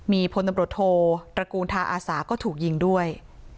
มีพลตำรวจโทตระกูลทาอาสาก็ถูกยิงด้วย